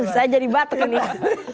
saya jadi batu nih